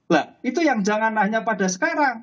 lah itu yang jangan hanya pada sekarang